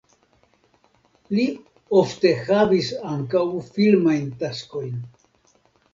Li ofte havis ankaŭ filmajn taskojn.